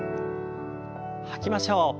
吐きましょう。